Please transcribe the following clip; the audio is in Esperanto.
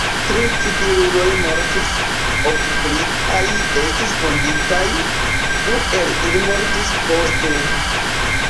Tri civiluloj mortis, ok pliaj estis vunditaj, du el ili mortis poste.